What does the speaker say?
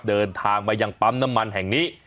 เดินทางมายังปั๊มน้ำมันแห่งนี้